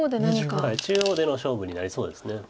中央での勝負になりそうです。